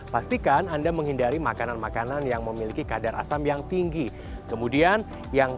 pastikan anda menghindari makanan makanan yang memiliki kadar asam yang tinggi kemudian yang